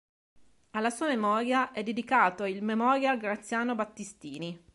Alla sua memoria è dedicato il "Memorial Graziano Battistini".